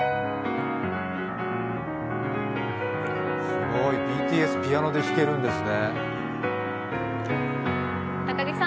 すごい、ＢＴＳピアノで弾けるんですね。